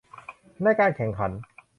ในการแข่งขัน